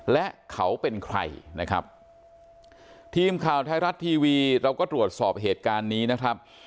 และเขาเป็นใครนะครับทีมข่าวไทยรัฐทีวีเราก็ตรวจสอบเหตุการณ์นี้นะครับ